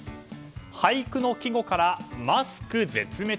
俳句の季語からマスク絶滅？